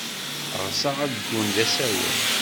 Ɣseɣ ad ddun d asawen.